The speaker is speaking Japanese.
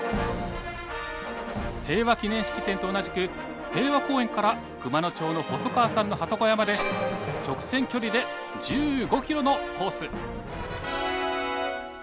平和記念式典と同じく平和公園から熊野町の細川さんのハト小屋まで直線距離で１５ｋｍのコース。